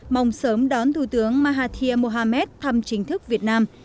mong sớm đón thủ tướng mahathir mohamad thăm chính thức việt nam